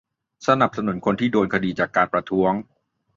สนับสนุนคนที่โดนคดีจากการประท้วง